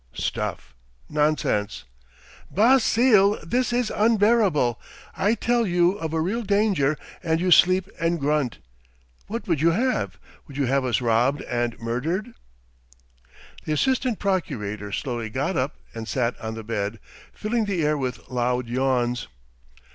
"Stuff and nonsense!" "Basile, this is unbearable! I tell you of a real danger and you sleep and grunt! What would you have? Would you have us robbed and murdered?" The assistant procurator slowly got up and sat on the bed, filling the air with loud yawns.